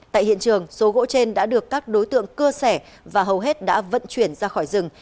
tại hiện trường số gỗ trên đã được các đối tượng cưa sẻ và hầu hết đã vận chuyển ra khỏi rừng